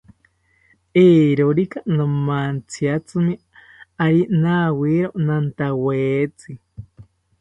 Eeerorika nomantziatzimi, ari nawiero nantawetzi